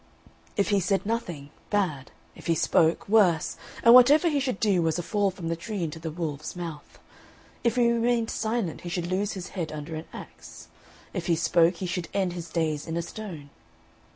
If he said nothing, bad; if he spoke, worse; and whatever he should do was a fall from the tree into the wolf's mouth. If he remained silent, he should lose his head under an axe; if he spoke, he should end his days in a stone.